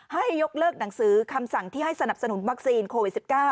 ให้ยกเลิกหนังสือคำสั่งที่ให้สนับสนุนวัคซีนโควิด๑๙